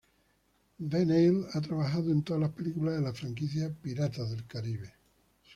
Ve Neill ha trabajado en todas las películas de la franquicia Piratas del Caribe.